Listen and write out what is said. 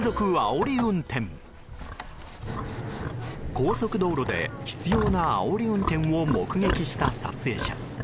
高速道路で執拗なあおり運転を目撃した撮影者。